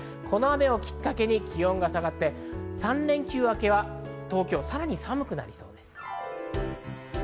この雨をきっかけに気温は下がって、３連休明けは東京はさらに寒くなりそうです。